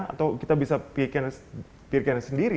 atau kita bisa pikirkan sendiri